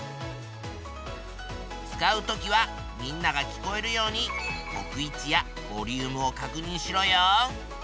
使う時はみんなが聞こえるように置く位置やボリュームをかくにんしろよ。